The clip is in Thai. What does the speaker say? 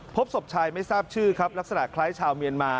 พบศพชายไม่ทราบชื่อครับลักษณะคล้ายชาวเมียนมา